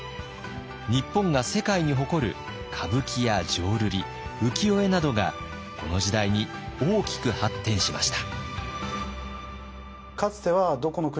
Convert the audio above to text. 日本が世界に誇る歌舞伎や浄瑠璃浮世絵などがこの時代に大きく発展しました。